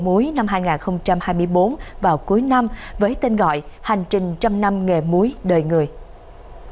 muối năm hai nghìn hai mươi bốn vào cuối năm với tên gọi hành trình trăm năm nghề muối đời người à à ừ ừ